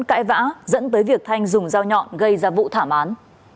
cãi vã dẫn tới việc thanh dùng dao nhọn gây ra vụ thảm án